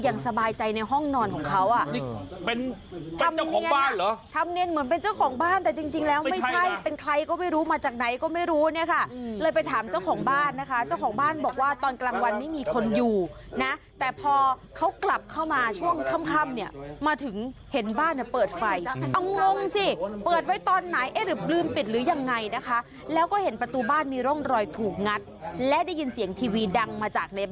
เป็นเจ้าของบ้านเหรอทำเนียนเหมือนเป็นเจ้าของบ้านแต่จริงแล้วไม่ใช่เป็นใครก็ไม่รู้มาจากไหนก็ไม่รู้เนี่ยค่ะเลยไปถามเจ้าของบ้านนะคะเจ้าของบ้านบอกว่าตอนกลางวันไม่มีคนอยู่นะแต่พอเขากลับเข้ามาช่วงค่ำเนี่ยมาถึงเห็นบ้านเปิดไฟอังงงสิเปิดไฟตอนไหนหรือปิดหรือยังไงนะคะแล้วก็เห็นประตูบ้านมีร่องรอยถู